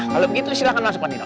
kalau begitu silahkan masuk pak tito